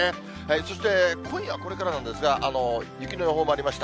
そして今夜これからなんですが、雪の予報もありました。